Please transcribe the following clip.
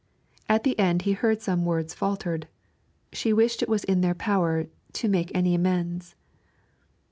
At the end he heard some words faltered: she wished it was in their power 'to make any amends.'